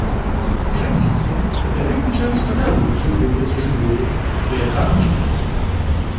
Жаніцьбе папярэднічаюць падарункі ў выглядзе жывёлы сваякам нявесты.